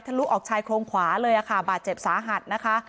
ลุออกชายโครงขวาเลยค่ะบาดเจ็บสาหัสนะคะ